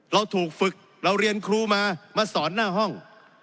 เราถูกฝึกเราเรียนครูมามาสอนหน้าห้อง